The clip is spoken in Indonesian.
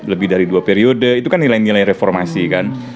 lebih dari dua periode itu kan nilai nilai reformasi kan